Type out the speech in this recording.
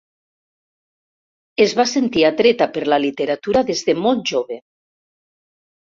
Es va sentir atreta per la literatura des de molt jove.